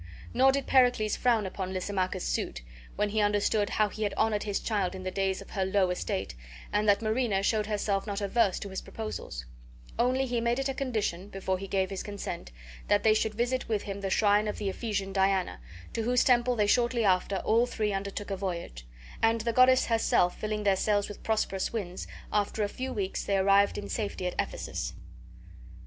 Nor did Pericles frown upon Lysimachus's suit, when he understood how he had honored his child in the days of her low estate, and that Marina showed herself not averse to his proposals; only he made it a condition, before he gave his consent, that they should visit with him the shrine of the Ephesian Diana; to whose temple they shortly after all three undertook a voyage; and, the goddess herself filling their sails with prosperous winds, after a few weeks they arrived in safety at Ephesus.